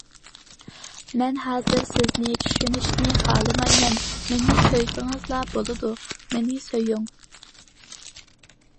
-مەن ھازىر سىزنى چۈشىنىشنى خالىمايمەن، مېنى سۆيسىڭىزلا بولدى! مېنى سۆيۈڭ!